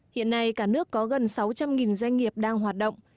hiện nay cả nước có gần sáu trăm linh doanh nghiệp đang hoạt động